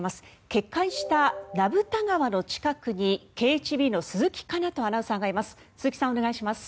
決壊した名蓋川の近くにｋｈｂの鈴木奏斗アナウンサーがいます。